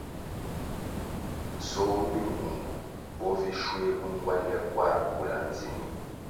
Nsoh mi nwungu bo vi shuegi ngwande kwarʼ wula ndzinih.